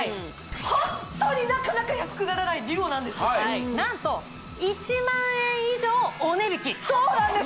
ホントになかなか安くならないＤＵＯなんです何と１万円以上お値引きそうなんです！